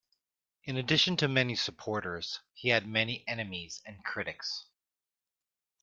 In addition to many supporters, he had many enemies and critics.